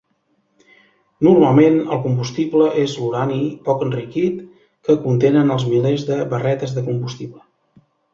Normalment, el combustible és l'urani poc enriquit que contenen els milers de barretes de combustible.